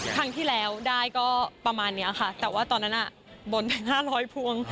ครั้งที่แล้วได้ก็ประมาณนี้ค่ะแต่ว่าตอนนั้นบนเป็น๕๐๐พวง